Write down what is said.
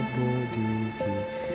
kamu tidak bobo